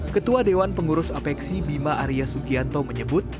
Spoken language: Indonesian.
ketua dewan pengurus apexi bima arya sugianto menyebut